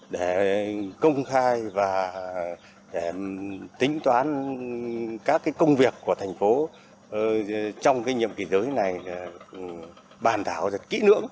để công khai và tính toán các công việc của thành phố trong cái nhiệm kỳ giới này bàn thảo rất kỹ nưỡng